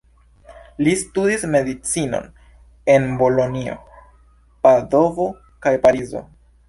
Li studis Medicinon en Bolonjo, Padovo kaj Parizo.